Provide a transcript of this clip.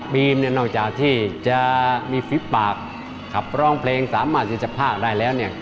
นอกจากที่จะมีฟิปปากขับร้องเพลงสามารถที่จะพากได้แล้วเนี่ย